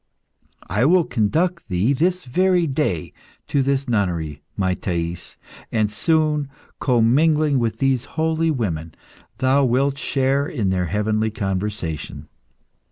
I will conduct thee this very day to this nunnery, my Thais, and soon, commingling with these holy women, thou wilt share in their heavenly conversation.